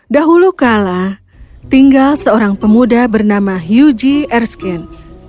dahulu kala tinggal seorang pemuda bernama hyuji erskin